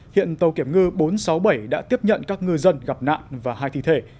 hiện tàu kiểm ngư bốn trăm sáu mươi bảy đã tiếp nhận các ngư dân gặp nạn và hai thi thể